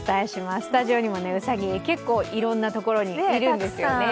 スタジオにもうさぎ、結構いろんな所にいるんですよね。